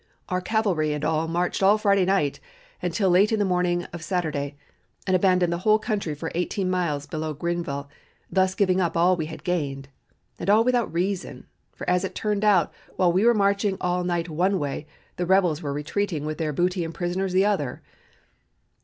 Our cavalry and all marched all Friday night and till late in the morning of Saturday, and abandoned the whole country for eighteen miles below Greenville, thus giving up all we had gained. And all without reason, for as it turned out while we were marching all night one way the rebels were retreating with their booty and prisoners the other!